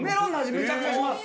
めちゃくちゃします。